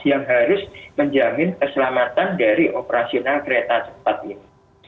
yang harus menjamin keselamatan dari operasional kereta cepat ini